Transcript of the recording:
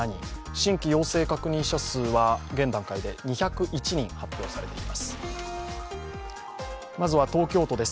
新規陽性確認者数は現段階で２０１人発表されています。